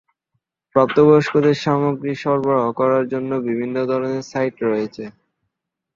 প্রাপ্তবয়স্কদের সামগ্রী সরবরাহ করার জন্য বিভিন্ন ধরনের সাইট রয়েছে।